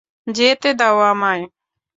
যেতে দাও আমায়।